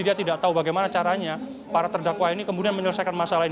dia tidak tahu bagaimana caranya para terdakwa ini kemudian menyelesaikan masalah ini